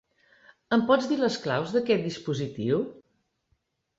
Em pots dir les claus d'aquest dispositiu?